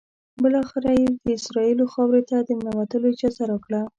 بالآخره یې د اسرائیلو خاورې ته د ننوتلو اجازه راکړه.